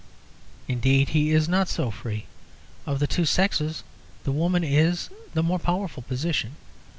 Indeed, he is not so free. Of the two sexes the woman is in the more powerful position.